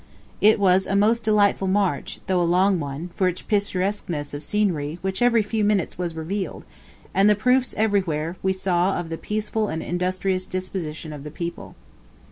It was a most delightful march, though a long one, for its picturesqueness of scenery which every few minutes was revealed, and the proofs we everywhere saw of the peaceable and industrious disposition of the people.